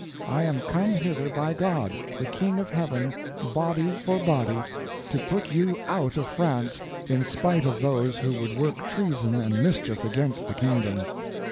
I am come hither by God, the King of Heaven, body for body, to put you out of France, in spite of those who would work treason and mischief against the kingdom.